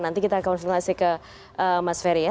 nanti kita konfirmasi ke mas ferry ya